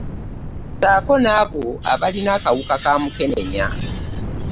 Ssaako n'abo abalina akawuka ka Mukenenya.